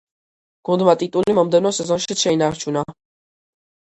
გუნდმა ტიტული მომდევნო სეზონშიც შეინარჩუნა.